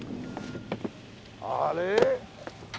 あれ？